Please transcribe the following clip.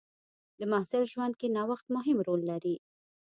د محصل ژوند کې نوښت مهم رول لري.